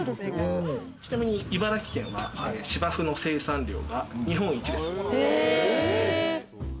ちなみに茨城県は芝生の生産量が日本一です。